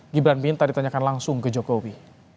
gibran minta ditanyakan langsung ke jokowi